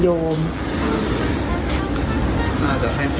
โอเคค่ะสวัสดีค่ะ